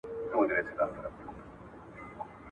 پښتو ته په اخلاص خدمت وکړه.